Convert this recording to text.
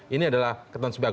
ini adalah ketentuan sepihak